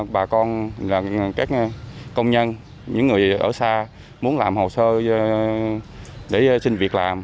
bà con là các công nhân những người ở xa muốn làm hồ sơ để xin việc làm